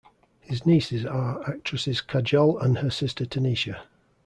His nieces are actresses Kajol and her sister Tanisha.